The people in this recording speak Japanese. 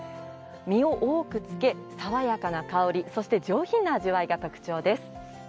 実を多くつけ爽やかな香り上品な味わいが特徴です。